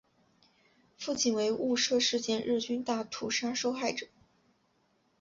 父亲为雾社事件日军大屠杀受害者。